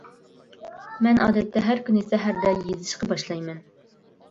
مەن ئادەتتە ھەر كۈنى سەھەردە يېزىشقا باشلايمەن.